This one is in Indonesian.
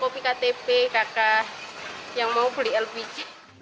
toko bktp kakak yang mau beli lpg